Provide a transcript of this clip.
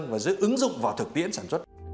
và giữa ứng dụng vào thực tiễn sản xuất